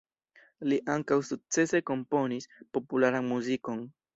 Li ankaŭ sukcese komponis popularan muzikon.